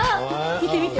見て見て。